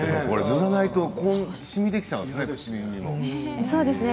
塗らないとしみが、できちゃうんですね。